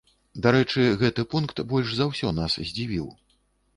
Дарэчы, гэты пункт больш за ўсе нас здзівіў.